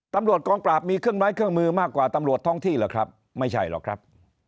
ตำรวจกองปราบมีเครื่องไม้เครื่องมือมากกว่าตำรวจท้องที่เหรอครับไม่ใช่หรอกครับ